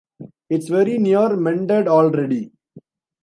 It's very near mended already.